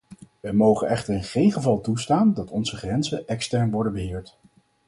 Wij mogen echter in geen geval toestaan dat onze grenzen extern worden beheerd.